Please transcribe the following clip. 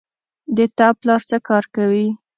د تا پلار څه کار کوی